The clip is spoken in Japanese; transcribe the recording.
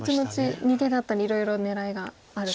後々逃げだったりいろいろ狙いがある感じですね。